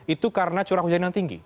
itu karena curah hujan yang tinggi